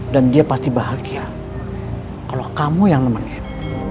dan dia pasti bahagia kalau kamu yang nemenin